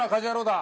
だ。